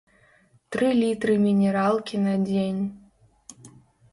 Тры літры мінералкі на дзень.